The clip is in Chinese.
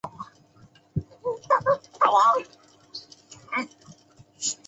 现在的小型赛车主要被分为以下车种。